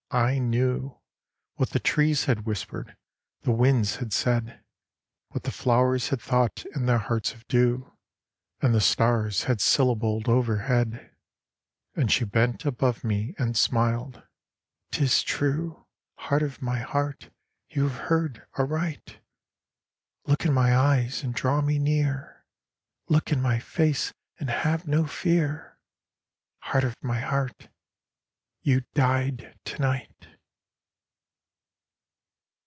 I knew What the trees had whispered, the winds had said; What the flowers had thought in their hearts of dew, And the stars had syllabled overhead And she bent above me and smiled, "'Tis true! Heart of my heart, you have heard aright. Look in my eyes and draw me near! Look in my face and have no fear! Heart of my heart, you died to night!"